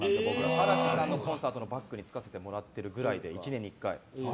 嵐さんのコンサートのバックにつかせてもらってるくらいで１年に１回。